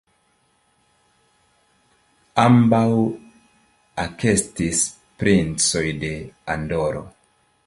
Ambaŭ ekestis princoj de Andoro.